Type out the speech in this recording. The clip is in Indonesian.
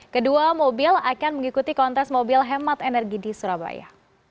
kedua mobil akan mengikuti kontes mobil hemat energi di surabaya